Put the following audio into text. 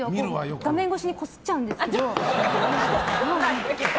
画面越しにこすっちゃうんですけど。